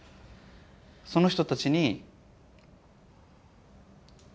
その人たちにうん。